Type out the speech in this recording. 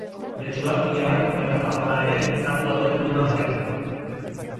Letxuak, ilarrak, baita patata ere, zaku batean lurra jarrita.